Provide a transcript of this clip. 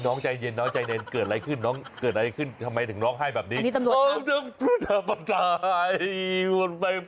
น้องใจเย็นเกิดอะไรขึ้นทำไมถึงร้องไห้แบบนี้